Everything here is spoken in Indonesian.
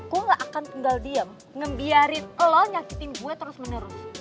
aku gak akan tinggal diem ngembiarin lo nyakitin gue terus menerus